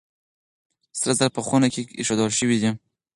سره زر په خونه کې ايښودل شوي دي.